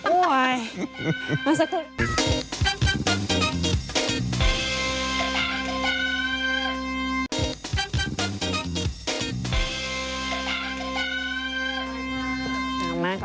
โอ้วมาสักครั้ง